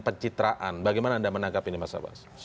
pencitraan bagaimana anda menangkap ini mas abbas